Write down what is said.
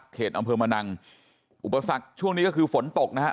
อำเภอมะนังอุปสรรคช่วงนี้ก็คือฝนตกนะฮะ